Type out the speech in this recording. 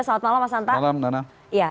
salam malam mas santa